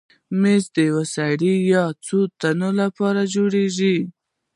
مېز د یو سړي یا څو تنو لپاره جوړېږي.